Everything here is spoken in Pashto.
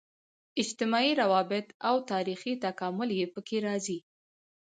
اجتماعي روابط او تاریخي تکامل یې په کې راځي.